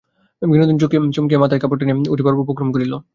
বিনোদিনী চমকিয়া মাথায় কাপড় টানিয়া উঠিবার উপক্রম করিল।